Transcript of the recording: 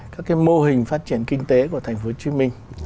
các mô hình phát triển kinh tế của tp hcm